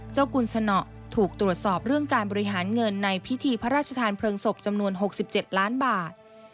กุลสนอถูกตรวจสอบเรื่องการบริหารเงินในพิธีพระราชทานเพลิงศพจำนวน๖๗ล้านบาท